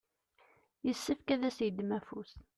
yessefk ad s-yeddem afus.